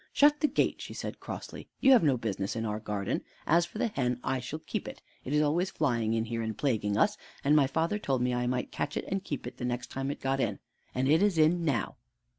"Shut the gate," she said crossly, "you have no business in our garden. As for the hen, I shall keep it; it is always flying in here and plaguing us, and my father told me I might catch it and keep it the next time it got in, and it is in now."